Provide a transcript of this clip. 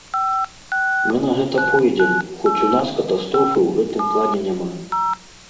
Мы на гэта пойдзем, хоць у нас катастрофы ў гэтым плане няма.